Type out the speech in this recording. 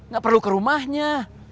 gak perlu ke rumahnya